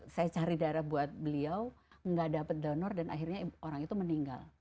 saya cari darah buat beliau nggak dapat donor dan akhirnya orang itu meninggal